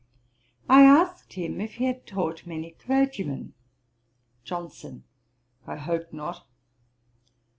I asked him if he had taught many clergymen. JOHNSON. 'I hope not.'